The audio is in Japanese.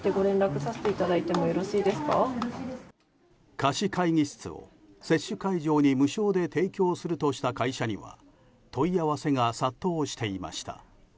貸し会議室を接種会場に無償で提供するとした会社には問い合わせが殺到していました。